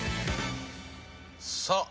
さあ。